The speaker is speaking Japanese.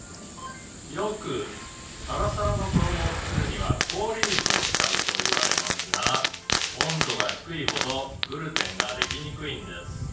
「よくサラサラの衣を作るには氷水を使うといわれますが温度が低いほどグルテンができにくいんです」